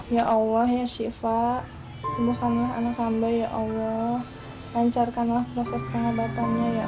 ya allah ya syifa sembuhkanlah anak hamba ya allah lancarkanlah proses pengobatannya ya